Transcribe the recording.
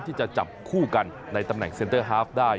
ที่จะจับคู่กันในตำแหน่งเซ็นเตอร์ฮาฟได้